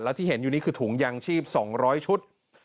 ที่เห็นอยู่นี่คือถุงยางชีพ๒๐๐ชุด